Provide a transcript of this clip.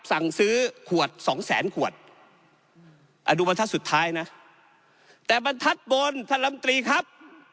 สั่งซื้อขวดสองแสนขวดอ่าดูบรรทัศน์สุดท้ายนะแต่บรรทัศน์บนท่านลำตรีครับ